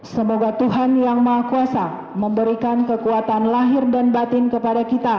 semoga tuhan yang maha kuasa memberikan kekuatan lahir dan batin kepada kita